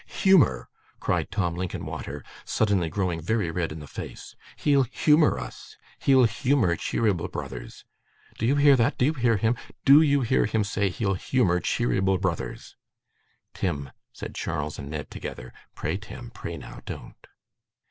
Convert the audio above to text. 'Humour!' cried Tim Linkinwater, suddenly growing very red in the face. 'He'll humour us! He'll humour Cheeryble Brothers! Do you hear that? Do you hear him? DO you hear him say he'll humour Cheeryble Brothers?' 'Tim,' said Charles and Ned together, 'pray, Tim, pray now, don't.